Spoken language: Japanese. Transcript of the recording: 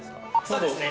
そうですね。